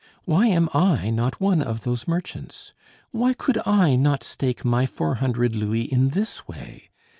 Why am I not one of those merchants? Why could I not stake my four hundred louis in this way?